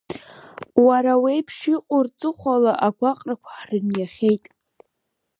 Уара уеиԥш иҟоу рҵыхәала агәаҟрақәа ҳрыниахьеит.